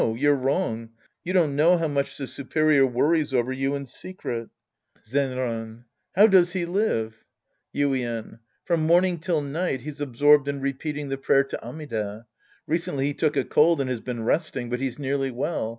You're wrong. You don't know how much the superior worries over you in secret. Sc. I The Priest and His Disciples 105 Zenran. How does he live ? Yiden. From morning till night, he's absorbed in repeating the prayer to Amida. Recently he took a cold and's been resting, but he's nearly well.